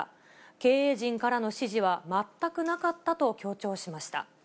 経営陣からの指示は全くなかったと強調しました。